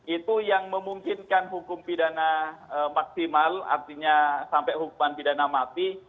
itu yang memungkinkan hukum pidana maksimal artinya sampai hukuman pidana mati